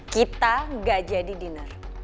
kita nggak jadi diner